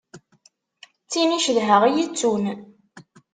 D tin i cedheɣ i yi-ittun.